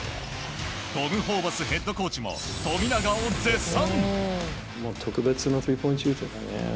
トム・ホーバスヘッドコーチも富永を絶賛！